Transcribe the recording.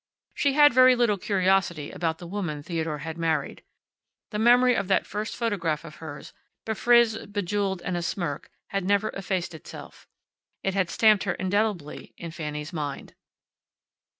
She had very little curiosity about the woman Theodore had married. The memory of that first photograph of hers, befrizzed, bejeweled, and asmirk, had never effaced itself. It had stamped her indelibly in Fanny's mind.